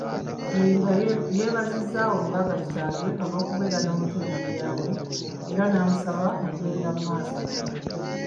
Kiyimba yeebazizza omugagga Kitandwe olw'okubeera n'omutima omuyambi era n'amusaba okugenda mu maaso nagwo.